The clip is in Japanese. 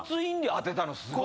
当てたのすごい。